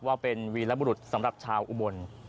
ว่าเป็นวีรบุรุษสำหรับชาวอุบล